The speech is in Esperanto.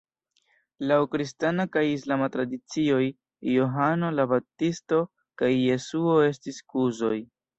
Laŭ kristana kaj islama tradicioj Johano la Baptisto kaj Jesuo estis kuzoj.